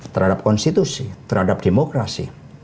terhadap konstitusi terhadap demokrasi